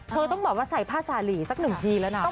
เธอต้องว่าใส่ผ้าสาลีสักหนึ่งทีแล้วนะ